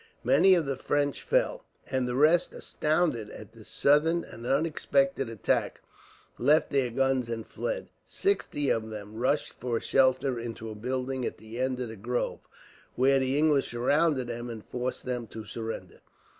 Many of the French fell, and the rest, astounded at this sudden and unexpected attack, left their guns and fled. Sixty of them rushed for shelter into a building at the end of the grove, where the English surrounded them and forced them to surrender.